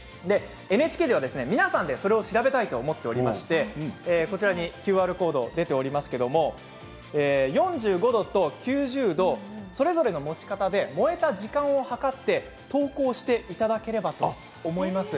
ＮＨＫでは皆さんで、それを調べたいと思っておりましてこちらにＱＲコードが出ておりますけれども４５度と９０度それぞれの持ち方で燃えた時間を計って投稿していただければと思います。